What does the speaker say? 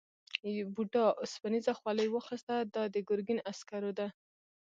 بوډا اوسپنيزه خولۍ واخیسته دا د ګرګین عسکرو ده.